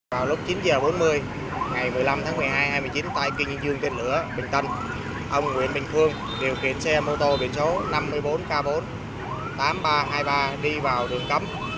vào lúc chín h bốn mươi ngày một mươi năm tháng một mươi hai hai nghìn một mươi chín tại kinh dương tên lửa bình tân ông nguyễn bình phương điều kiện xe mô tô biển số năm mươi bốn k bốn tám nghìn ba trăm hai mươi ba đi vào đường cấm